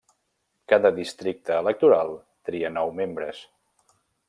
Cada districte electoral tria nou membres.